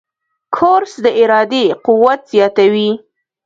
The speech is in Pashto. کورس د ارادې قوت زیاتوي.